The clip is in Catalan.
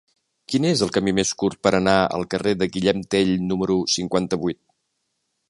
Quin és el camí més curt per anar al carrer de Guillem Tell número cinquanta-vuit?